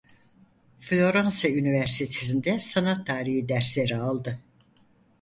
Floransa Üniversitesi'nde sanat tarihi dersleri aldı.